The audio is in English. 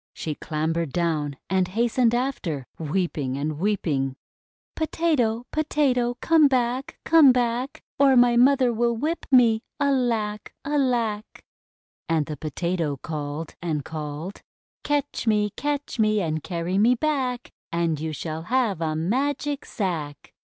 She clambered down and hastened after, weeping and weeping: — "Potato! Potato! Comeback! Comeback! Or my mother will whip me I Alack! Alack!" And the Potato called and called: — "Catch me! Catch me! And carry me back ! And you shall have a Magic Sack!"